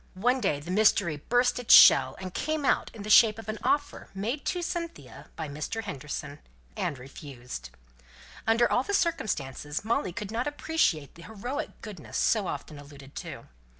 One day the mystery burst its shell, and came out in the shape of an offer made to Cynthia by Mr. Henderson and refused. Under all the circumstances, Molly could not appreciate the heroic goodness so often alluded to.